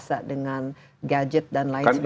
sudah biasa dengan gadget dan lain sebagainya